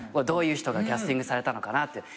どういう人がキャスティングされたのかなって。